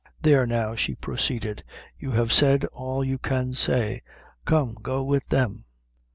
"There now," she proceeded; "you have said all you can say; come, go with them.